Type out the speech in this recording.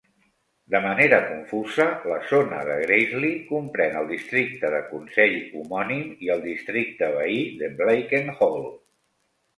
De manera confusa, la zona de Graiseley comprèn el districte de consell homònim i el districte veí de Blakenhall.